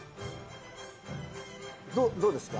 どうですか？